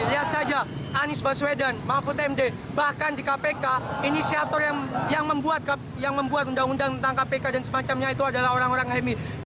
lihat saja anies baswedan mahfud md bahkan di kpk inisiator yang membuat undang undang tentang kpk dan semacamnya itu adalah orang orang hemi